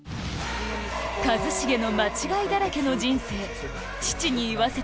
一茂の間違いだらけの人生